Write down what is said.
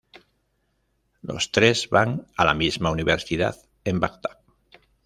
Los tres van a la misma universidad en Bagdad.